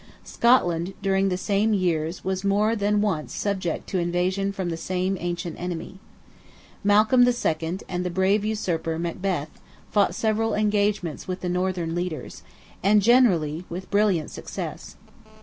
Scotland, during the same years was more than once subject to invasion from the same ancient enemy. Malcolm II., and the brave usurper Macbeth, fought several engagements with the northern leaders, and generally with brilliant success.